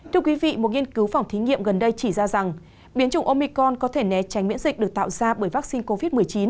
thưa quý vị một nghiên cứu phòng thí nghiệm gần đây chỉ ra rằng biến chủng omicon có thể né tránh miễn dịch được tạo ra bởi vaccine covid một mươi chín